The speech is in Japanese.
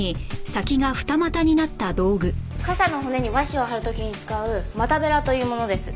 傘の骨に和紙を張る時に使う「またべら」というものです。